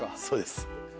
そうです。